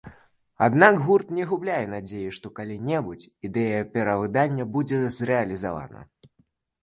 Аднак гурт не губляе надзеі, што калі-небудзь ідэя перавыдання будзе зрэалізавана.